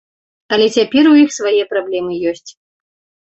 Але цяпер у іх свае праблемы ёсць.